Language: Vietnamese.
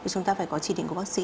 chúng ta phải có chỉ định của bác sĩ